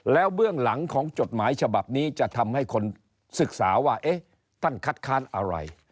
แล้วเบื้องหลังของจดหมายฉบับนี้จะทำให้คนศึกษาว่าเอ๊ะท่านคัดค้านอะไร